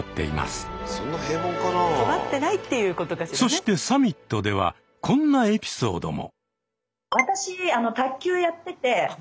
そしてサミットではこんなエピソードも。